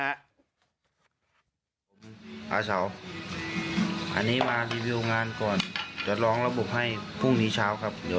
เออเอาอื้อ